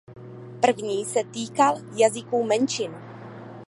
První se týkal jazyků menšin.